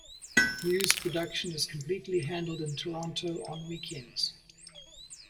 News production is completely handled in Toronto on weekends.